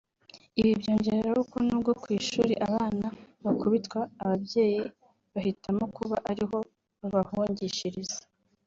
Ibi byongeraho ko n’ubwo ku ishuri abana bakubitwa ababyeyi bahitamo kuba ariho babahungishiriza